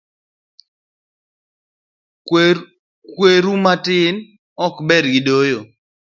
Kweru matin ok ber gidoyo.